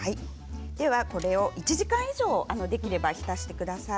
これを１時間以上できれば浸してください。